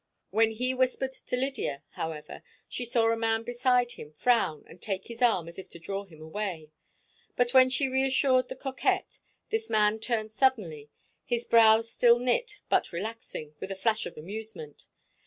When he whispered to Lydia, however, she saw a man beside him frown and take his arm as if to draw him away, but when she reassured the coquette, this man turned suddenly, his brows still knit but relaxing with a flash of amusement.